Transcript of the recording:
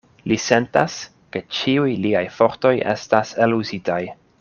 Li sentas, ke ĉiuj liaj fortoj estas eluzitaj.